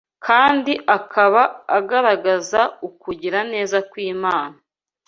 kandi akaba agaragaza ukugira neza kw’Imana